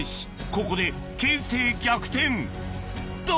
ここで形勢逆転と！